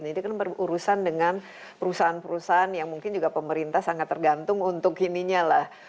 jadi kan berurusan dengan perusahaan perusahaan yang mungkin juga pemerintah sangat tergantung untuk ininya lah